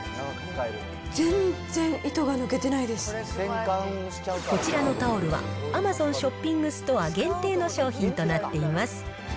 全然こちらのタオルは、アマゾンショッピングストア限定の商品となっています。